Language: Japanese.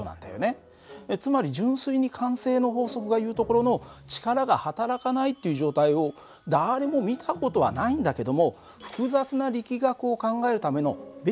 つまり純粋に慣性の法則がいうところの力がはたらかないっていう状態を誰も見た事はないんだけども複雑な力学を考えるためのベースになる法則なんだよ。